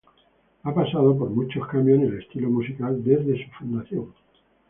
Ha pasado por muchos cambios en el estilo musical desde su fundación.